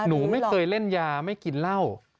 หนูไม่เคยเล่นยาไม่กินเหล้า